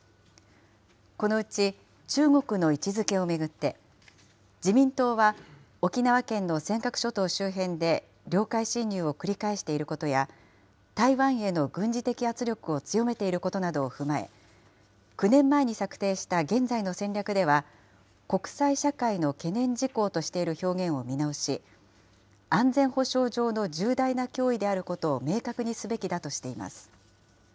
このうち、中国の位置づけを巡って、自民党は沖縄県の尖閣諸島周辺で領海侵入を繰り返していることや、台湾への軍事的圧力を強めていることなどを踏まえ、９年前に策定した現在の戦略では、国際社会の懸念事項としている表現を見直し、安全保障上の重大な脅威であることを明確にすべきだとしています。